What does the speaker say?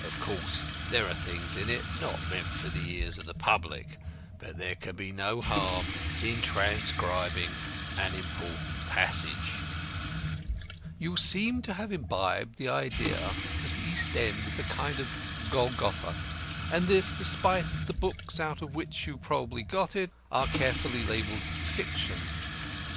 Of course there are things in it not meant for the ears of the public, but there can be no harm in transcribing an important passage: "'You seem to have imbibed the idea that the East end is a kind of Golgotha, and this despite that the books out of which you probably got it are carefully labelled "Fiction."